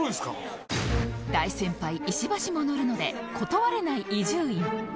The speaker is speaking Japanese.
大先輩石橋も乗るので断れない伊集院